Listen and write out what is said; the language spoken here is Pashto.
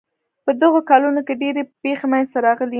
په دغو کلونو کې ډېرې پېښې منځته راغلې.